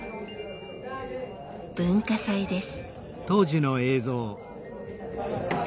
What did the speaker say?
文化祭です。